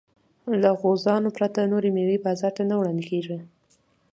له غوزانو پرته نورې مېوې بازار ته نه وړاندې کېږي.